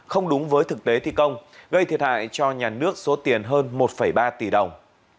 không đúng với thực tế thi công gây thiệt hại cho nhà nước số tiền hơn một ba tỷ đồng